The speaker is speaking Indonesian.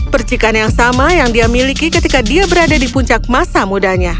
percikan yang sama yang dia miliki ketika dia berada di puncak masa mudanya